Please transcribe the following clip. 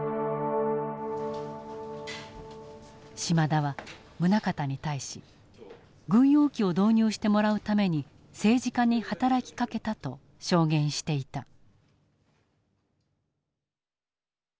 島田は宗像に対し軍用機を導入してもらうために政治家に働きかけたと証言していた。